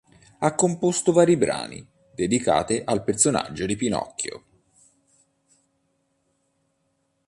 Ha composto vari brani dedicate al personaggio di Pinocchio.